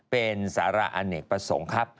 เป็นสาระอเนกประสงค์ครับ